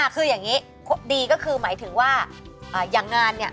คืออย่างนี้ดีก็คือหมายถึงว่าอย่างงานเนี่ย